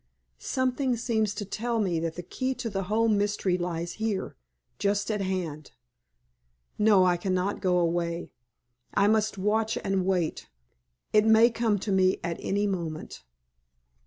Something seems to tell me that the key to the whole mystery lies here just at hand. No, I cannot go away. I must watch and wait. It may come to me at any moment."